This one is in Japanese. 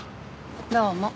どうも。